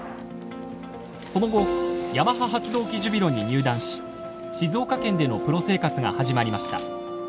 その後ヤマハ発動機ジュビロに入団し静岡県でのプロ生活が始まりました。